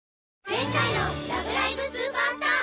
前回の「ラブライブ！スーパースター！！